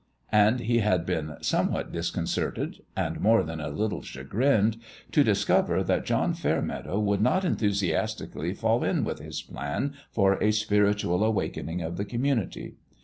And he had been somewhat discon certed, and more than a little chagrined, to dis cover that John Fairmeadow would not enthu siastically fall in with this plan for a spiritual awakening of the community.